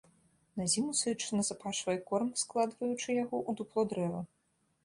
На зіму сыч назапашвае корм, складваючы яго ў дупло дрэва.